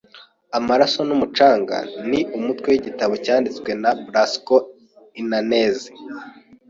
"Amaraso n'umucanga" ni umutwe w'igitabo cyanditswe na Blasco Ináñez.